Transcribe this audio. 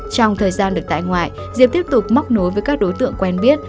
trong thời gian được tại ngoại diệp tiếp tục móc nối với các đối tượng quen biết